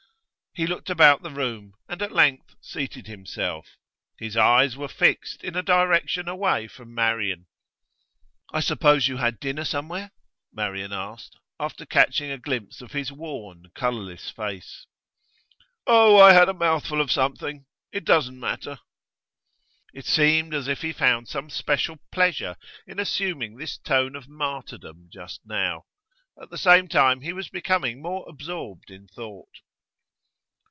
He looked about the room, and at length seated himself; his eyes were fixed in a direction away from Marian. 'I suppose you had dinner somewhere?' Marian asked, after catching a glimpse of his worn, colourless face. 'Oh, I had a mouthful of something. It doesn't matter.' It seemed as if he found some special pleasure in assuming this tone of martyrdom just now. At the same time he was becoming more absorbed in thought.